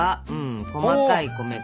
細かい米粉。